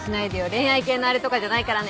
恋愛系のあれとかじゃないからね。